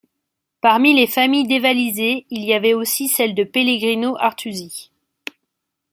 Parmi les familles dévalisées il y avait aussi celle de Pellegrino Artusi.